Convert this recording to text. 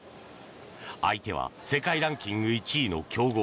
相手は世界ランキング１位の強豪